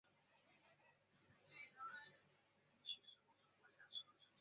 曷为先言王而后言正月？